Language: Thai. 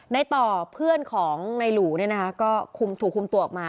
ในต่อเพื่อนของในหลู่เนี่ยนะคะก็ถูกคุมตัวออกมา